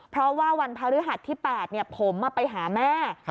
เพราะว่าวันพฤหัสที่๘ผมไปหาแม่